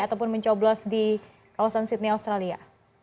ataupun mencoblos di kawasan sydney australia